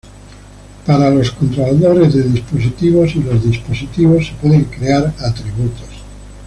Para los controladores de dispositivos y los dispositivos, se pueden crear atributos.